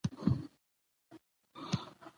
په افغانستان کې د آب وهوا تاریخ ډېر اوږد دی.